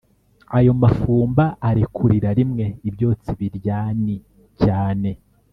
ayo mafumba arekurira rimwe ibyotsi biryani cyane